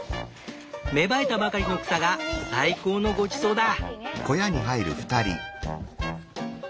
芽生えたばかりの草が最高のごちそうだ。